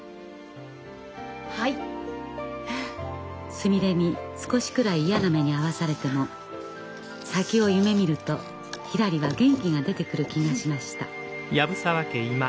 すみれに少しくらい嫌な目に遭わされても先を夢みるとひらりは元気が出てくる気がしました。